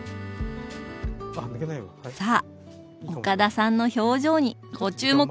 さあ岡田さんの表情にご注目！